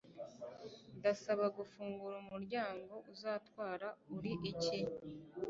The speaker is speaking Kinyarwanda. ndasaba; fungura umuryango - uzarwara. uri iki